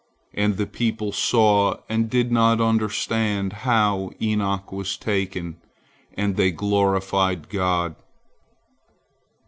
And the people saw, and did not understand how Enoch was taken, and they glorified God.